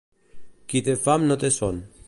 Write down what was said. Qui té fam no té son.